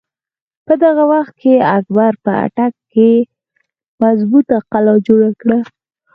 په دغه وخت کښې اکبر په اټک کښې مظبوطه قلا جوړه کړه۔